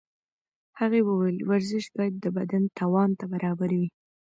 هغې وویل ورزش باید د بدن توان ته برابر وي.